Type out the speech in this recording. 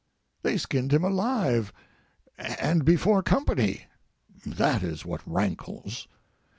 They skinned him alive—and before company! That is what rankles.